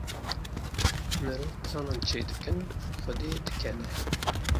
Mirov planan çêdikin, Xwedê dikene.